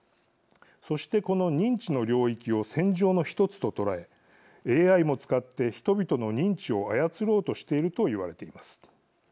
そしてこの認知の領域を戦場の一つと捉えＡＩも使って人々の認知を操ろうとしていると言われています。